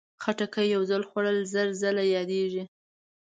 خټکی یو ځل خوړل، زر ځل یادېږي.